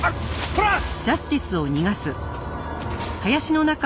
コラッ！